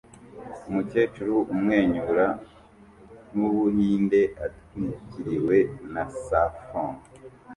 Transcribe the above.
Umukecuru umwenyura mubuhinde atwikiriwe na safron